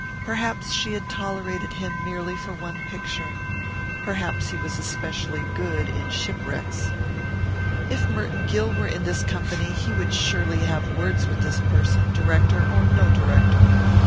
Perhaps she had tolerated him merely for one picture. Perhaps he was especially good in shipwrecks. If Merton Gill were in this company he would surely have words with this person, director or no director.